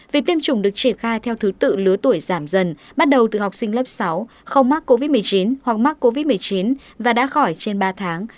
việc tiêm chủng được triển khai theo thứ tự lứa tuổi giảm dần bắt đầu từ học sinh lớp sáu không mắc covid một mươi chín hoặc mắc covid một mươi chín và đã khỏi trên ba tháng